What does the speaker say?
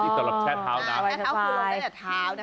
อ๋อที่ต้องแช่เท้าน้ำใช่ค่ะแช่เท้าคือลงได้จากเท้านะคะ